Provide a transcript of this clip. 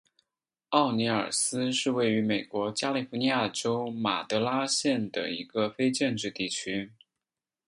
奥尼尔斯是位于美国加利福尼亚州马德拉县的一个非建制地区。